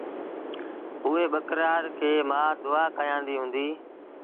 اُئي ٻڪرآڙ کي مآ دئآ ڪيآنديٚ هُݩدي۔